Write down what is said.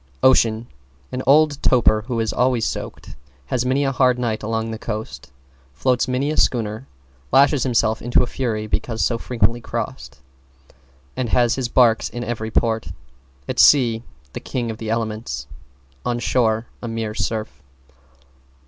=OCEAN= An old toper who is always soaked, has many a hard night along the coast, floats many a schooner, lashes himself into a fury because so frequently crossed, and has his barks in every port. At sea, the king of the elements; on shore, a mere surf.